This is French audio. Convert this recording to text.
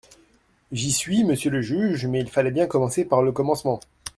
J'y suis, monsieur le juge, mais il fallait bien commencer par le commencement.